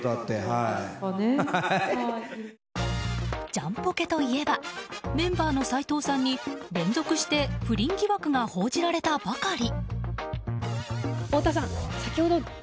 ジャンポケといえばメンバーの斉藤さんに連続して不倫疑惑が報じられたばかり。